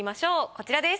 こちらです。